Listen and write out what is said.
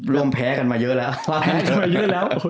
ร่วมแพ้กันมาเยอะแล้ว